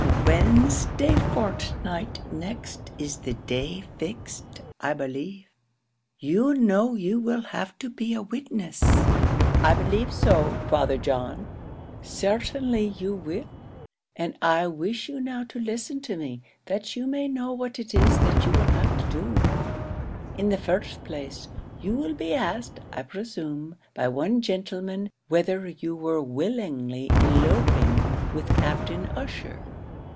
"Wednesday fortnight next is the day fixed, I believe. You know you will have to be a witness?" "I believe so, Father John." "Certainly you will; and I wish you now to listen to me, that you may know what it is that you will then have to do. In the first place you will be asked, I presume, by one gentleman whether you were willingly eloping with Captain Ussher?"